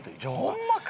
ホンマか？